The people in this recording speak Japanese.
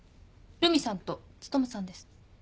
留美さんと努さんです。